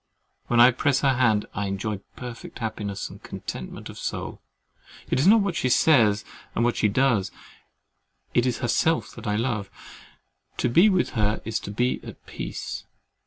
When I press her hand, I enjoy perfect happiness and contentment of soul. It is not what she says or what she does—it is herself that I love. To be with her is to be at peace.